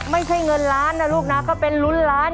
ไม่ใช่เงินล้านนะลูกนะก็เป็นลุ้นล้าน